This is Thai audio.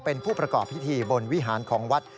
เป็นผู้ประกอบพิธีบนวิหารของวัด